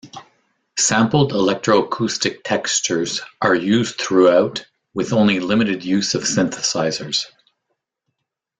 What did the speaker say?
Sampled electroacoustic textures are used throughout with only limited use of synthesizers.